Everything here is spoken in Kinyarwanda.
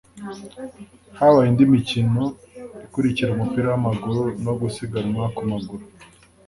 habaye indi mikino ikurikira umupira w’amaguru no gusiganwa ku maguru